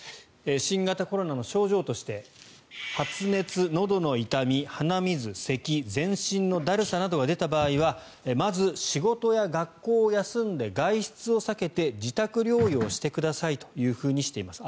新型コロナの症状として発熱、のどの痛み、鼻水、せき全身のだるさなどが出た場合はまず仕事や学校を休んで外出を避けて自宅療養してくださいというふうにしています。